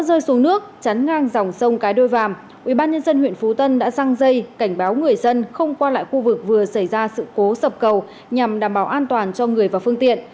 rơi xuống nước chắn ngang dòng sông cái đôi vàm ubnd huyện phú tân đã răng dây cảnh báo người dân không qua lại khu vực vừa xảy ra sự cố sập cầu nhằm đảm bảo an toàn cho người và phương tiện